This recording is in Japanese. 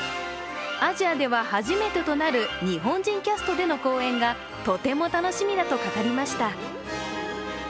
アジアでは初めとなる日本人キャストでの公演がとても楽しみだと語りました。